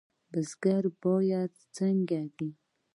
بزګر باید څنګه وي؟